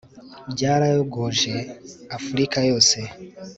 byarayogoje afurika yose